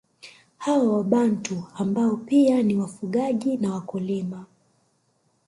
Hawa wabantu ambao pia ni wafugaji na wakulima